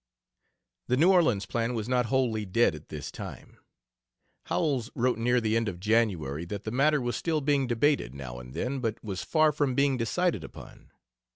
The New Orleans plan was not wholly dead at this time. Howells wrote near the end of January that the matter was still being debated, now and then, but was far from being decided upon.